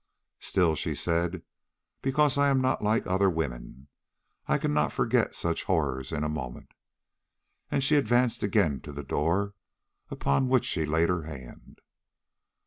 "Still," said she, "because I am not like other women. I cannot forget such horrors in a moment." And she advanced again to the door, upon which she laid her hand.